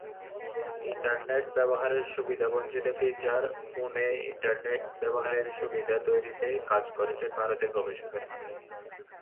Internet ব্যবহারের সুবিধাবঞ্চিত feature ফোনে ইন্টারনেট ব্যবহারের সুবিধা তৈরিতে কাজ করছেন ভারতের গবেষকেরা।